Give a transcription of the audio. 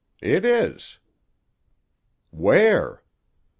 It is." "Where?"